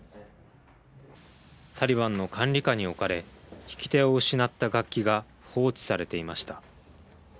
タリバンの管理下に置かれ弾き手を失った楽器が放置されていました。